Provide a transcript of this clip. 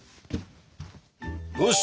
よし！